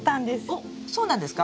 おっそうなんですか？